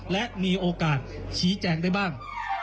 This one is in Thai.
และมีโอกาสชี้แจงได้บ้าง